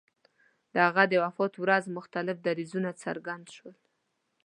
د هغه د وفات په ورځ مختلف دریځونه څرګند شول.